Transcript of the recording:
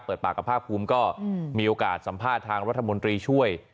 เปิดปากกับภาคภูมิก็มีโอกาสสัมภาษณ์ทางรัฐมนตรีช่วย